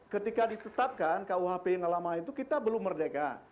ketika ditetapkan kuhp yang lama itu kita belum merdeka